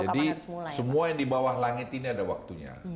jadi semua yang di bawah langit ini ada waktunya